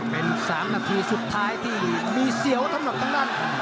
เป็นสามนาทีสุดท้ายที่มีเสียวทั้งหลักข้างด้าน